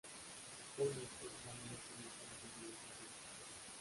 Actualmente, Manolo tiene cuenta en diversas redes sociales.